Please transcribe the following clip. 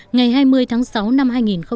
ngày hai mươi tháng sáu năm hai nghìn một mươi sáu